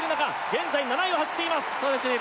現在７位を走っていますそうですね